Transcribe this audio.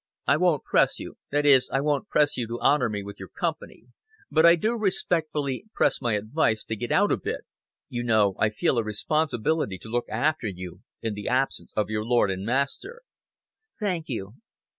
"I won't press you that is, I won't press you to honor me with your company; but I do respectfully press my advice to get out a bit. You know I feel a responsibility to look after you in the absence of your lord and master." "Thank you."